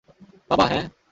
বাবা, হ্যাঁঁ।